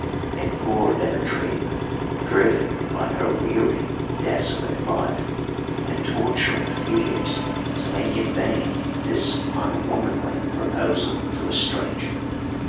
And poor Demetria, driven by her weary, desolate life and torturing fears to make in vain this unwomanly proposal to a stranger!